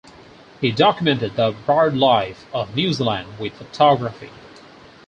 He documented the birdlife of New Zealand with photography.